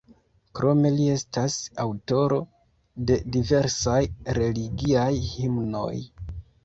Krome li estas aŭtoro de diversaj religiaj himnoj.